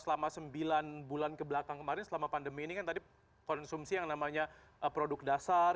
selama sembilan bulan kebelakang kemarin selama pandemi ini kan tadi konsumsi yang namanya produk dasar